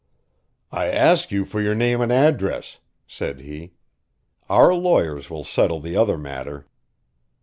"I ask you for your name and address," said he. "Our lawyers will settle the other matter."